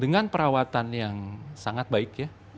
dengan perawatan yang sangat baik ya